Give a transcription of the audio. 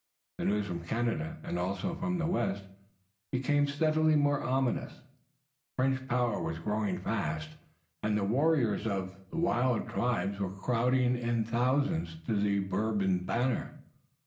The news from Canada and also from the west became steadily more ominous. The French power was growing fast and the warriors of the wild tribes were crowding in thousands to the Bourbon banner.